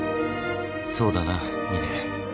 そうだな峰。